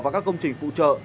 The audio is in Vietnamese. và các công trình phụ trợ